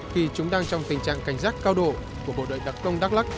thì chúng đang trong tình trạng cảnh giác cao độ của bộ đội đặc công đắk lắc